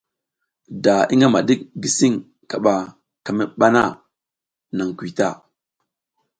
Da i ngama ɗik gisiƞ kaɓa ka mi ɓa na, naƞ kuy ta.